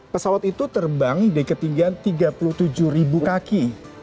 pesawat itu terbang di ketinggian tiga puluh tujuh ribu kaki